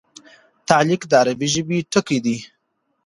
تعلیق د عربي ژبي ټکی دﺉ.